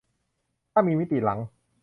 ถ้ามีมิติหลัง